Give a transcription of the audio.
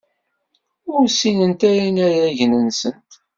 Ur ssinent ara inaragen-nsent.